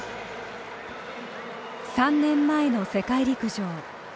３年前の世界陸上。